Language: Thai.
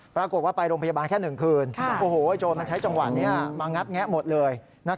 ปรากฏว่าไปโรงพยาบาลแค่๑คืนโจรมันใช้จังหวะนี้มางัดแงะหมดเลย